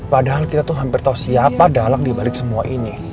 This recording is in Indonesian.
padahal kita tuh hampir tahu siapa dalang dibalik semua ini